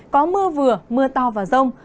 có mưa vừa mưa to và rông